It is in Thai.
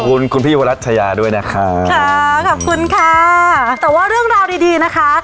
ขอบคุณคุณพี่วรัชยาด้วยนะคะค่ะขอบคุณค่ะแต่ว่าเรื่องราวดีดีนะคะ